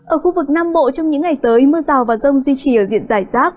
ở khu vực nam bộ trong những ngày tới mưa rào và rông duy trì ở diện giải rác